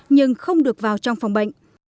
nhưng không được vào trong phòng bệnh